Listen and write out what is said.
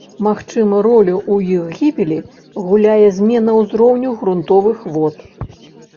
Магчыма, ролю ў іх гібелі гуляе змена ўзроўня грунтавых вод.